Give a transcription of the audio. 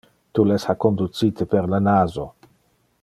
Tu les ha conducite per le naso.